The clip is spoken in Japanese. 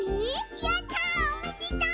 やったおめでとう！